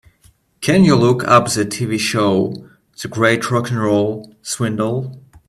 Can you look up the TV show, The Great Rock 'n' Roll Swindle?